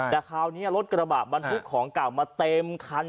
แต่คราวนี้รถกระบะบรรทุกของเก่ามาเต็มคัน